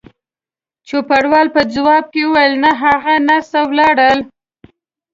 چوپړوال په ځواب کې وویل: نه، هغه نرسه ولاړل.